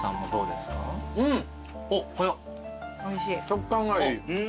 食感がいい。